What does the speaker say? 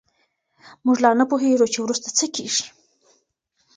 موږ لا نه پوهېږو چې وروسته څه کېږي.